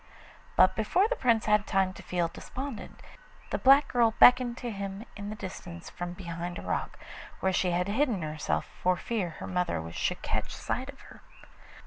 But before the Prince had time to feel despondent the black girl beckoned to him in the distance from behind a rock, where she had hidden herself for fear her mother should catch sight of her.